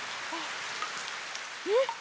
えっ？